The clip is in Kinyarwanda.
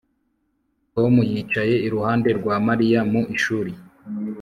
Tom yicaye iruhande rwa Mariya mu ishuri